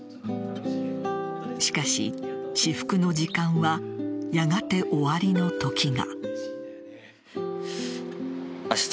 しかし、至福の時間はやがて終わりのときが。